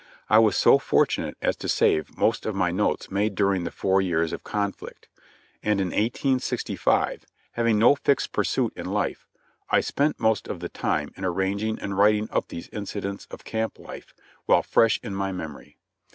I was so fortunate as to save most of my notes made during the four years of conflict, and in 1865, having no fixed pursuit in life, I spent most of the time in arranging and writing up these incidents of camp life while fresh in my memory.